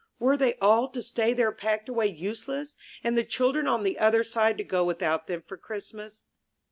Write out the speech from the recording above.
Were they all to stay there packed away useless, and the children on the other side to go without them for Christmas?